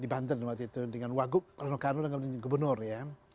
di banten waktu itu dengan waguk rano karno dan gubernur ya